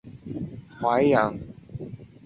西周时陈国位于今天的淮阳。